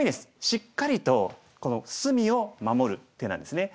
しっかりとこの隅を守る手なんですね。